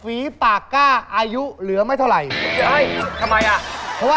วันนี้ครับลุงครับลุงเหลือกี่ปีครับ